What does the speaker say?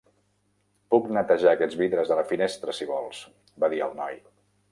"Puc netejar aquests vidres de la finestra, si vols", va dir el noi.